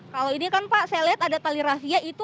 kalau ini kan pak saya lihat ada tali rafia itu apakah itu